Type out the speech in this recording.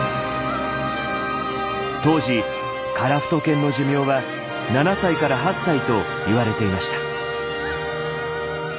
当時カラフト犬の寿命は７歳から８歳と言われていました。